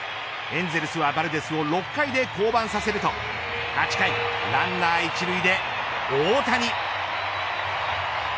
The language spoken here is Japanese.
エンゼルスはバルデスを６回で降板させると８回、ランナー１塁で大谷。